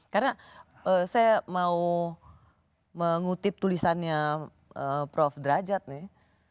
karena saya mau mengutip tulisannya prof rajat nih